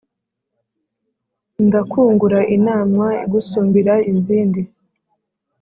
Ndakungura inama Igusumbira izindi